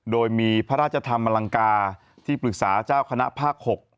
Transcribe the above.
โดยมีพระราชธรรมอลังกาที่ปรึกษาเจ้าคณะภาค๖